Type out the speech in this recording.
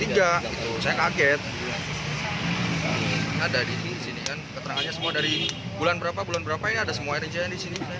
ada disini kan keterangannya semua dari bulan berapa bulan berapa ini ada semua rj yang disini